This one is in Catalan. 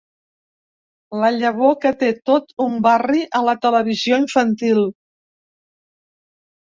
La llavor que té tot un barri a la televisió infantil.